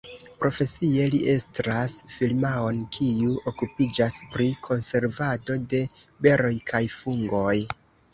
Profesie li estras firmaon, kiu okupiĝas pri konservado de beroj kaj fungoj.